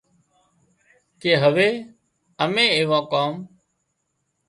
ڪي هوي امين ايوون ڪام